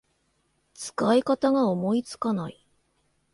使い方が思いつかない